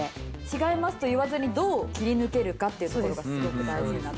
「違います」と言わずにどう切り抜けるかっていうところがすごく大事になってくると。